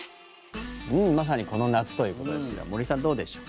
まさにこの夏ということですけど森さん、どうでしょう？